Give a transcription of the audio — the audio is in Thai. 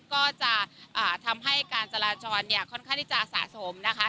ก็จะทำให้การจราจรเนี่ยค่อนข้างที่จะสะสมนะคะ